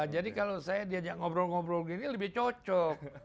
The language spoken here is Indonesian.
jadi kalau saya diajak ngobrol ngobrol gini lebih cocok